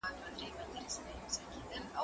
زه به سبا ليک ولولم،